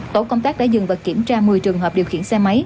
tổ công tác đã dừng và kiểm tra một mươi trường hợp điều khiển xe máy